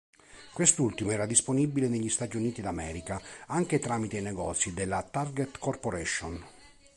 Quest'ultimo era disponibile negli Stati Uniti d'America anche tramite i negozi della Target Corporation.